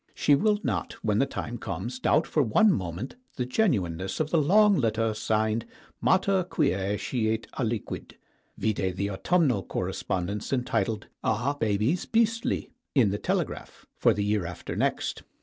She will not, when the time comes, doubt for one moment the genuineness of the long letter signed "Mater Quce Scit Aliquid" vide the autumnal correspondence, entitled "Are Babies Beastly?" in the "Telegraph" for the year after next.